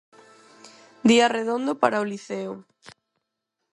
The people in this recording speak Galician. Día redondo para o Liceo.